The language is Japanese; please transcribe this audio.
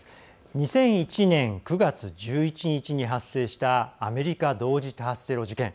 ２０１１年９月１１日に発生したアメリカ同時多発テロ事件。